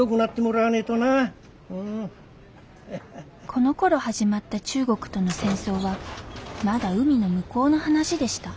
このころ始まった中国との戦争はまだ海の向こうの話でした